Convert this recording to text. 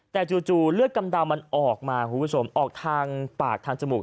แต่จู่เลือดกำดาวมันออกมาคุณผู้ชมออกทางปากทางจมูก